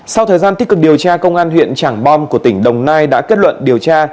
sau thời gian tích cực điều tra công an huyện trảng bom của tỉnh đồng nai đã kết luận điều tra